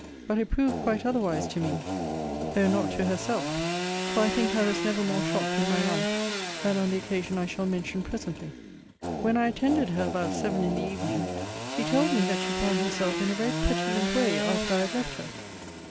But it proved quite otherwise to me, though not to herself; for I think I was never more shocked in my life than on the occasion I shall mention presently. When I attended her about seven in the evening, she told me that she found herself in a very petulant way after I had left her.